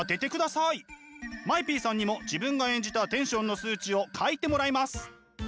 ＭＡＥＰさんにも自分が演じたテンションの数値を書いてもらいます。